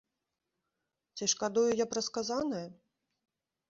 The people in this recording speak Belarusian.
Ці шкадую я пра сказанае?